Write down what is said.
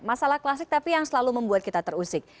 masalah klasik tapi yang selalu membuat kita terusik